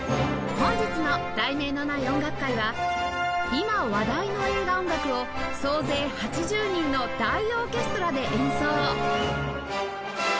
本日の『題名のない音楽会』は今話題の映画音楽を総勢８０人の大オーケストラで演奏！